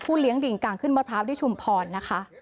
ผู้เลี้ยงลิงกังขึ้นมะพร้าวดิฉุมพรนะคะ